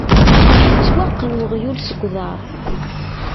Yettwaqqen uɣyul seg uḍar.